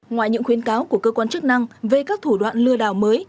ngoài những khuyến cáo của cơ quan chức năng về các thủ đoạn lừa đảo mới